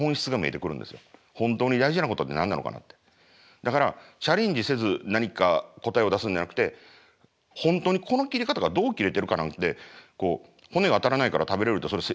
だからチャレンジせず何か答えを出すんじゃなくて本当にこの切り方がどう切れてるかなんてこう骨が当たらないから食べれるってそれ教わっただけだろう。